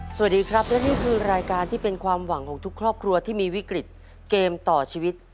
สวัสดีครับและนี่คือรายการที่เป็นความหวังของทุกครอบครัวที่มีวิกฤตเกมต่อชีวิต